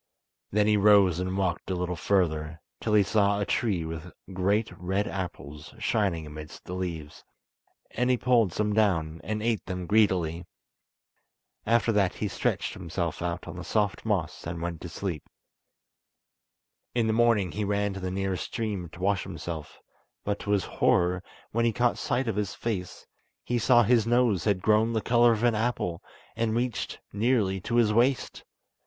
Then he rose and walked a little further, till he saw a tree with great red apples shining amidst the leaves, and he pulled some down, and ate them greedily. After that he stretched himself out on the soft moss and went to sleep. In the morning he ran to the nearest stream to wash himself, but to his horror, when he caught sight of his face, he saw his nose had grown the colour of an apple, and reached nearly to his waist.